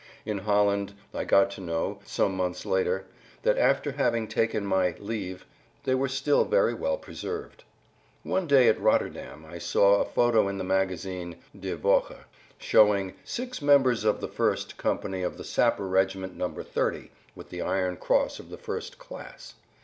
In Holland I got to know, some months later, that after having taken my "leave" they were still very well preserved. One day at Rotterdam, I saw a photo in the magazine, Die Woche, showing "Six members of the 1st. Company of the Sapper Regiment No. 30 with the Iron Cross of the 1st. Class."